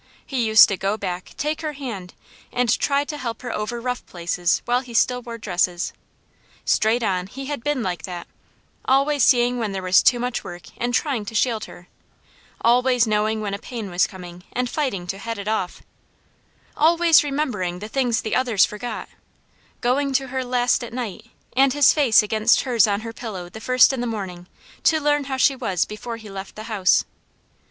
He used to go back, take her hand, and try to help her over rough places while he still wore dresses. Straight on, he had been like that; always seeing when there was too much work and trying to shield her; always knowing when a pain was coming and fighting to head it off; always remembering the things the others forgot, going to her last at night, and his face against hers on her pillow the first in the morning, to learn how she was before he left the house.